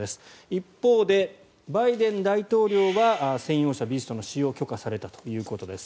一方でバイデン大統領は専用車・ビーストの使用が許可されたということです。